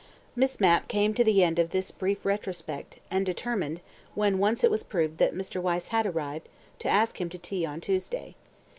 Miss Mapp came to the end of this brief retrospect, and determined, when once it was proved that Mr. Wyse had arrived, to ask him to tea on Tuesday.